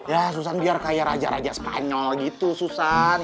ya susan biar kaya raja raja spanyol gitu susan